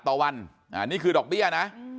ต่อวันนี่คือดอกเบี้ยนะ